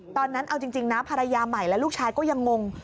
ตอนนั้นเอาจริงนะภรรยาใหม่และลูกชายก็ยังงง